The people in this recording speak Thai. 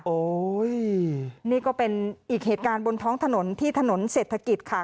โอ้ยนี่ก็เป็นอีกเหตุการณ์บนท้องถนนที่ถนนเศรษฐกิจค่ะ